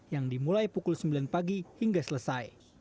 yang dimulai pukul sembilan pagi hingga selesai